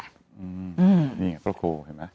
นี่พระโครเห็นมั้ย